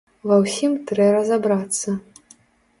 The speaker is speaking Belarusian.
Ва ўсім трэ разабрацца.